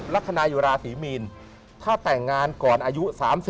ลักษณะอยู่ราศีมีนถ้าแต่งงานก่อนอายุ๓๐